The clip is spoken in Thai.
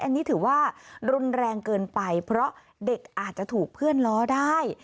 อันนี้ถือว่ารุนแรงเกินไปเพราะเด็กอาจจะถูกเพื่อนล้อได้